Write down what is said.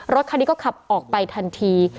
รถคันนี้ก็ขับออกไปทันที